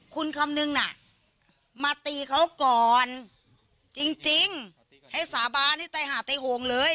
คุณคำนึงน่ะมาตีเขาก่อนจริงให้สาบานให้ไปหาไตโหงเลย